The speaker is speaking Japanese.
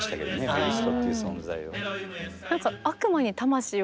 メフィストっていう存在を。